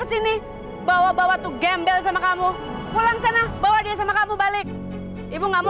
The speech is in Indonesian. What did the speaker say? ranti kamu dengar sendiri kan